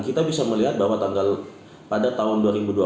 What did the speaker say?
kita bisa melihat bahwa tanggal pada tahun dua ribu dua puluh